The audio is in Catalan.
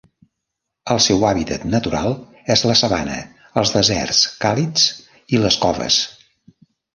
El seu hàbitat natural és la sabana, els deserts càlids i les coves.